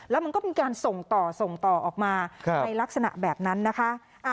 แล้วมันก็มีการส่งต่อส่งต่อออกมาในลักษณะแบบนั้นนะคะ